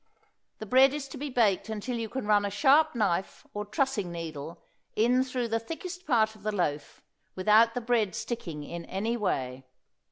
The bread is to be baked until you can run a sharp knife or trussing needle in through the thickest part of the loaf without the bread sticking in any way.